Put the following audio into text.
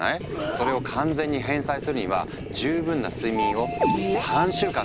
それを完全に返済するには十分な睡眠を３週間続ける必要があるんだ。